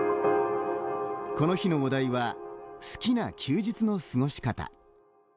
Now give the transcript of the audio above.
この日のお題は「好きな休日の過ごし方」。